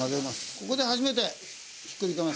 ここで初めてひっくり返します。